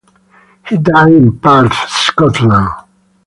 He died in Perth, Scotland.